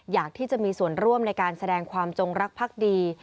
อยากที่จะมีส่วนร่วมในการแสดงความจงรักภักดี